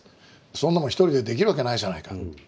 「そんなもん１人でできるわけないじゃないか」。